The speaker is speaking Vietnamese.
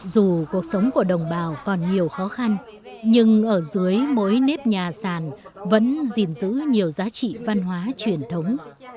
dù cuộc sống của đồng bào còn nhiều khó khăn nhưng ở dưới mỗi nếp nhà sàn vẫn gìn giữ nhiều giá trị văn hóa truyền thống